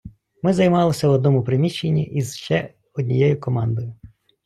Ми займалися в одному приміщенні із ще однією командою.